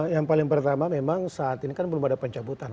yang paling pertama memang saat ini kan belum ada pencabutan